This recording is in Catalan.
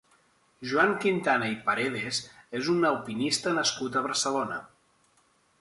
Joan Quintana i Paredes és un alpinista nascut a Barcelona.